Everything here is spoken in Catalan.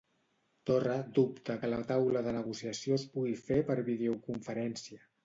Torra dubta que la taula de negociació es pugui fer per videoconferència.